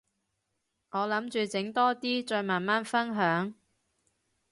我諗住整多啲，再慢慢分享